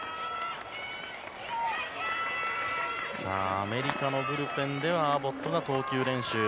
アメリカのブルペンではアボットが投球練習。